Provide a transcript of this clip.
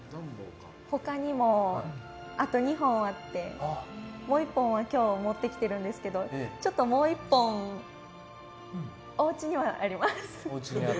他にも、あと２本あってもう１本は今日持ってきてるんですけどちょっともう１本はおうちにはあります。